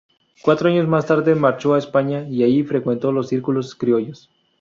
Cuatro años más tarde marchó a España, y allí frecuentó los círculos criollos.